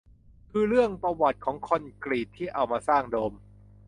คือเรื่องประวัติของคอนกรีตที่เอามาสร้างโดม